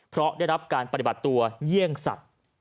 เพราะได้รับการปฏิบัติตัวเยี่ยงสัตว์